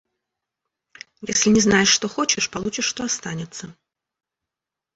Если не знаешь, что хочешь, получишь, что останется.